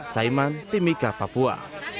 saiman timika papua